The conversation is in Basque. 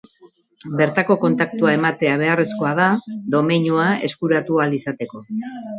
Bertako kontaktua ematea beharrezkoa da domeinua eskuratu ahal izateko.